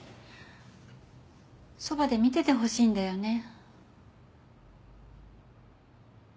そばで見ててほしいんだよね。